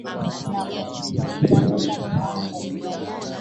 na kutatosha mipango mbalimbali